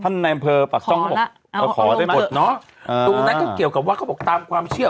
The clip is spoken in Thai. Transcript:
ในอำเภอปากช่องเขาบอกมาขอได้หมดเนอะตรงนั้นก็เกี่ยวกับว่าเขาบอกตามความเชื่อ